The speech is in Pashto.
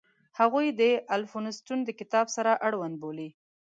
هغوی د الفونستون د کتاب سره اړوند بولي.